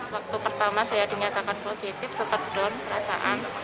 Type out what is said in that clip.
waktu pertama saya dinyatakan positif sepedon perasaan